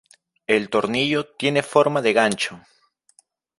El tornillo tiene forma de gancho.